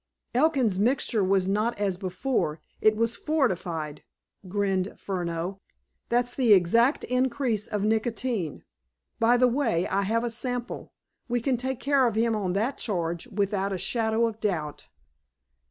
"Elkin's mixture was not 'as before.' It was fortified," grinned Furneaux. "That's the exact increase of nicotine. By the way, I have a sample. We can take care of him on that charge, without a shadow of doubt."